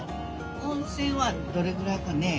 温泉はどれぐらいかね？